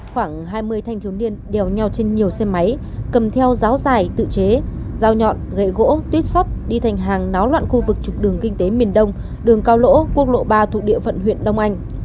khoảng hai mươi thanh thiếu niên đeo nhau trên nhiều xe máy cầm theo giáo dài tự chế dao nhọn gậy gỗ tuyết sắt đi thành hàng náo loạn khu vực trục đường kinh tế miền đông đường cao lỗ quốc lộ ba thuộc địa phận huyện đông anh